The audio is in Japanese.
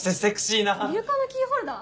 イルカのキーホルダー？